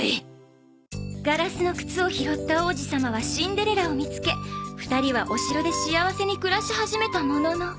「ガラスの靴を拾った王子様はシンデレラを見つけ２人はお城で幸せに暮らし始めたものの」